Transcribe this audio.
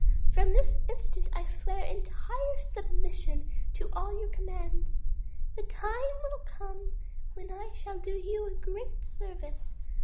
From this instant I swear entire submission to all your commands. The time will come when I shall do you a great service.